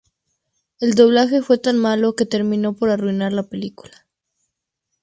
El doblaje fue tan malo que terminó por arruinar la película.